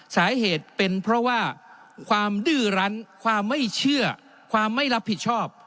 สาเหตุเป็นเพราะว่าความดื้อรั้นความไม่เชื่อความไม่รับผิดชอบ